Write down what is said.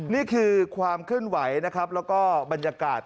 นี่คือความเคลื่อนไหวนะครับแล้วก็บรรยากาศ